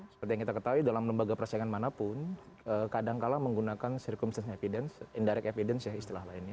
seperti yang kita ketahui dalam lembaga persaingan manapun kadangkala menggunakan circums evidence indirect evidence ya istilah lainnya